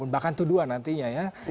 bahkan tuduhan nantinya ya